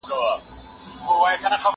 زه اوس کتابونه لوستل کوم!.